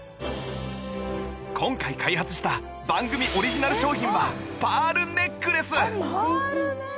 今回開発した番組オリジナル商品はパールネックレス！